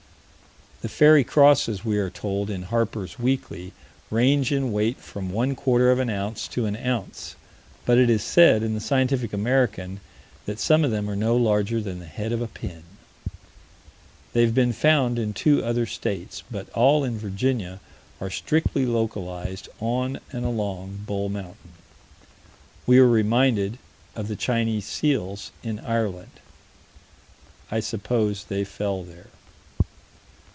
The "fairy crosses," we are told in Harper's Weekly, range in weight from one quarter of an ounce to an ounce: but it is said, in the Scientific American, 79 395, that some of them are no larger than the head of a pin. They have been found in two other states, but all in Virginia are strictly localized on and along Bull Mountain. We are reminded of the Chinese seals in Ireland. I suppose they fell there.